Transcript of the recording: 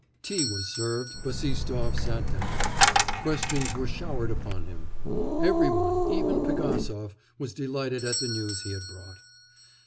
Tea was served, Bassistoff sat down. Questions were showered upon him. Every one, even Pigasov, was delighted at the news he had brought.